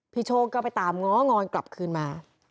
โชคก็ไปตามง้องอนกลับคืนมา